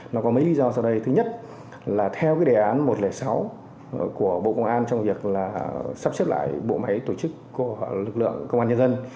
nó có mấy lý do sau đây thứ nhất là theo cái đề án một trăm linh sáu của bộ công an trong việc là sắp xếp lại bộ máy tổ chức của lực lượng công an nhân dân